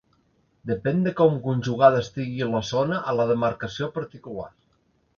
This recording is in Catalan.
Depèn de com conjugada estigui la zona a la demarcació particular.